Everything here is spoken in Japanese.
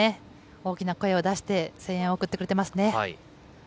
大きな声を出して声援を送ってくれています。